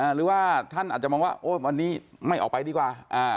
หรือว่าท่านอาจจะมองว่าวันนี้ไม่ออกไปดีกว่า